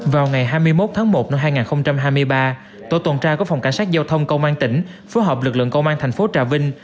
vào ngày hai mươi một tháng một năm hai nghìn hai mươi ba tổ tuần tra của phòng cảnh sát giao thông công an tỉnh phối hợp lực lượng công an thành phố trà vinh